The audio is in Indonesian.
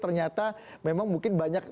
ternyata memang mungkin banyak